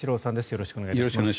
よろしくお願いします。